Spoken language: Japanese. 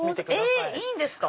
えっいいんですか？